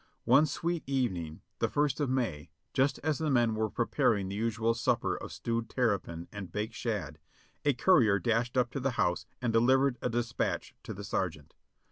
One sweet eve ning, the first of May, just as the men were preparing the usual supper of stewed terrapin and baked shad, a courier dashed up to the house and delivered a dispatch to the sergeant.